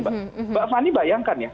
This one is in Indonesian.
mbak fani bayangkan ya